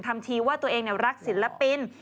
ทำทีว่าตัวเองรักศิลปิน